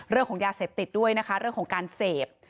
เรื่องของยาเสพติดด้วยนะคะเรื่องของการเสพ